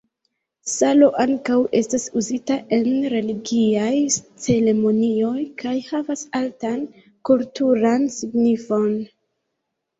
Salo ankaŭ estas uzita en religiaj ceremonioj kaj havas altan kulturan signifon.